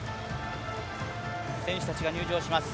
選手たちが入場します。